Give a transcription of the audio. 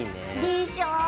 でしょ！